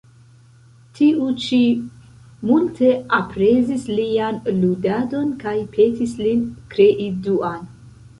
Tiu ĉi multe aprezis lian ludadon kaj petis lin krei Duan.